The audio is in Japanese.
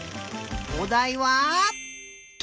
おだいは「と」！